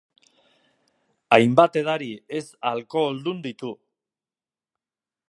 Hainbat edari ez alkoholdun ditu.